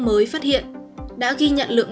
mới phát hiện đã ghi nhận lượng